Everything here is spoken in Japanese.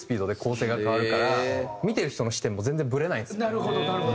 なるほどなるほど。